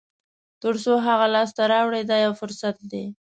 تر څو هغه لاسته راوړئ دا یو فرصت دی.